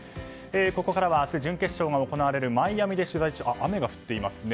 ここからは明日、準決勝が行われるマイアミで取材中のあ、雨が降っていますね